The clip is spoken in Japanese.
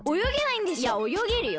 いやおよげるよ。